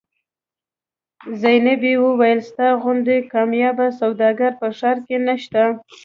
زینبې وویل ستا غوندې کاميابه سوداګر په ښار کې نشته.